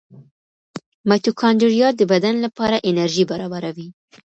مایټوکونډریا د بدن لپاره انرژي برابروي.